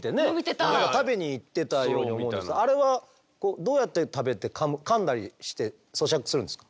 食べにいってたようにあれはどうやって食べてかんだりしてそしゃくするんですか？